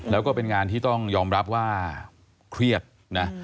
แล้วก็เป็นงานที่ต้องยอมรับว่าเครียดนะ